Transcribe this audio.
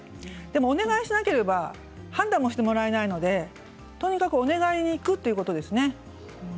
お願いをしなければ判断もしてもらえないのでとにかくお願いに行くということです。